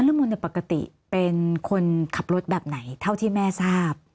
ละมุนปกติเป็นคนขับรถแบบไหนเท่าที่แม่ทราบ